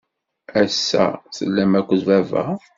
Ass-a, tellam akked baba?